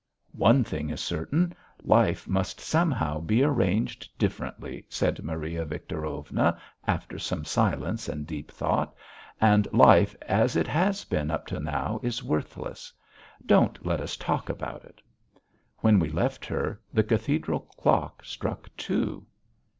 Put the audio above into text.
"One thing is certain. Life must somehow be arranged differently," said Maria Victorovna, after some silence and deep thought, "and life as it has been up to now is worthless. Don't let us talk about it." When we left her the Cathedral clock struck two.